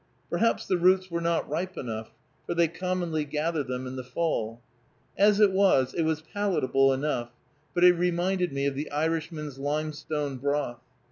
Perhaps the roots were not ripe enough, for they commonly gather them in the fall. As it was, it was palatable enough, but it reminded me of the Irishman's limestone broth.